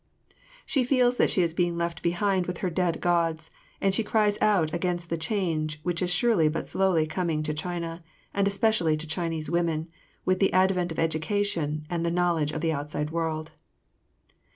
She feels that she is being left behind with her dead gods, and she cries out against the change which is surely but slowly coming to China, and especially to Chinese women, with the advent of education and the knowledge of the outside world.